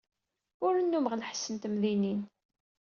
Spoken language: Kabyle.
Ur nnummeɣ lḥess n temdinin.